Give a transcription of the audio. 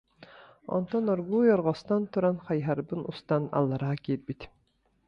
Онтон оргууй орҕостон туран, хайыһарбын устан аллара киирбитим